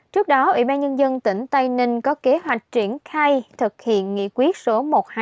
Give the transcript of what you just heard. trước đó ủy ban nhân dân tỉnh tây ninh có kế hoạch triển khai thực hiện nghị quyết số một trăm hai mươi tám